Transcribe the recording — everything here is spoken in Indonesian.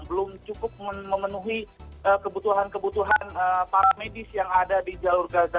belum cukup memenuhi kebutuhan kebutuhan para medis yang ada di jalur gaza